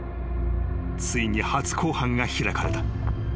ついに初公判が開かれた］